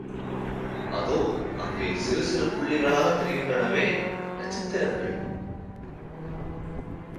அதோ அங்கே சிறுசிறு புள்ளிகளாகத் தெரிகின்றனவே, நட்சத்திரங்கள்!